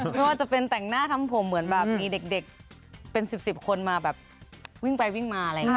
เพราะว่าจะเป็นแต่งหน้าทำผมเหมือนมีเด็กเป็นสิบคนวิ่งไปวิ่งมา